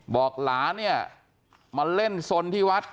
บอกหลานเนี่ยมาเล่นสนที่วัด